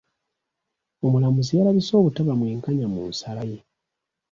Omulamuzi yalabise obutaba mwenkanya mu nsala ye.